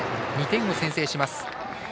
２点を先制します。